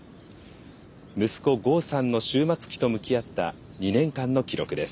息子剛さんの終末期と向き合った２年間の記録です。